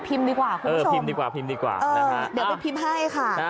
พิมพ์ดีกว่าคุณผู้ชม